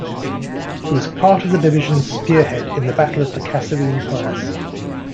It was part of the division's spearhead in the Battle of the Kasserine Pass.